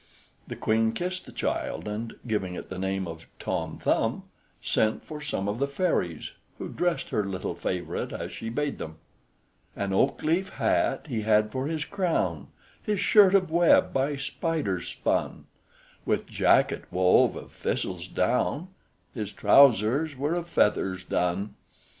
The queen kissed the child, and giving it the name of Tom Thumb, sent for some of the fairies, who dressed her little favorite as she bade them. "An oak leaf hat he had for his crown; His shirt of web by spiders spun; With jacket wove of thistle's down; His trousers were of feathers done.